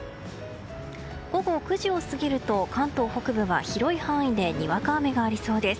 午後９時を過ぎると関東北部は広い範囲でにわか雨がありそうです。